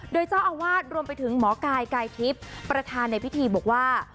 โดยเจ้าอาวาสรวมไปถึงหมอกายกายทิพย์ประธานในพิธีบอกว่า